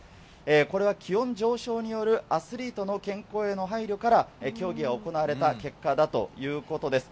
これは気温上昇によるアスリートの健康への配慮から、協議が行われた結果だということです。